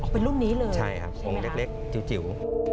เป็นรุ่นนี้เลยใช่ไหมครับใช่ใช่ครับองค์เล็กจิ๋ว